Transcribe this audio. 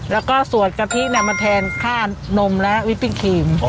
และก็สวดกะทิทำให้แทงค่านมและไวฟฟิ้งครีม